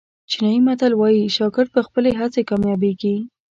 چینایي متل وایي شاګرد په خپلې هڅې کامیابېږي.